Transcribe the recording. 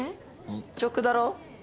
日直だろ。